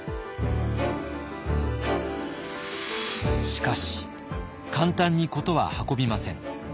しかし簡単に事は運びません。